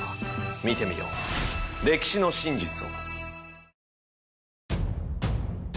見てみよう歴史の真実を。